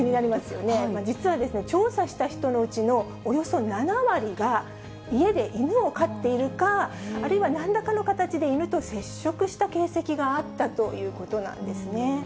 実はですね、調査した人のうちのおよそ７割が、家で犬を飼っているか、あるいはなんらかの形で犬と接触した形跡があったということなんですね。